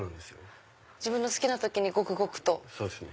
自分の好きな時にごくごくと。